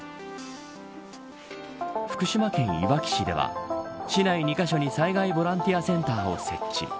福島県いわき市では市内２カ所に災害ボランティアセンターを設置